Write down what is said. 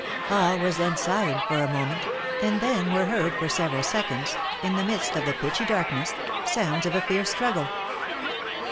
All was then silent for a moment, and then were heard for several seconds, in the midst of the pitchy darkness, sounds of a fierce struggle.